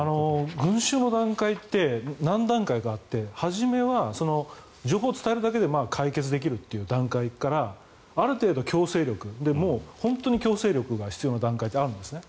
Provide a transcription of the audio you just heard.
群衆の段階って何段階かあって初めは情報を伝えるだけで解決できるって段階からある程度、強制力もう本当に強制力が必要な段階ってあるんですね。